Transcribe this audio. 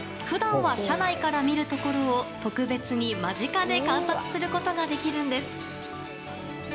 普段は車内から見るところを特別に間近で観察することができるんです。